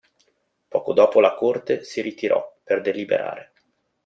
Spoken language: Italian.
Poco dopo la Corte si ritirò per deliberare.